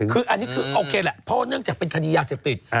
คืออันนี้คือโอเคแหละเพราะว่าเนื่องจากเป็นคดียาเสพติด